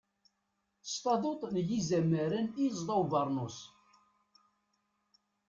S taduṭ n yizamaren i yezḍa ubernus.